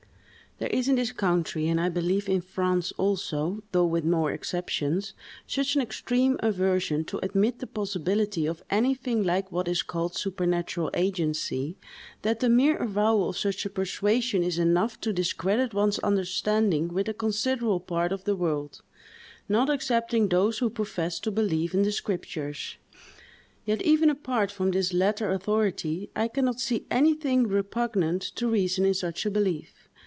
There is in this country, and I believe in France, also, though with more exceptions, such an extreme aversion to admit the possibility of anything like what is called supernatural agency, that the mere avowal of such a persuasion is enough to discredit one's understanding with a considerable part of the world, not excepting those who profess to believe in the Scriptures. Yet, even apart from this latter authority, I can not see anything repugnant to reason in such a belief.